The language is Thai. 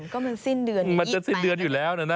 ก็มันสิ้นเดือนมันจะสิ้นเดือนอยู่แล้วนะ